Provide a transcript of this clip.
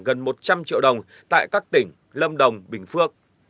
gần một trăm linh triệu đồng tại các tỉnh lâm đồng bình phước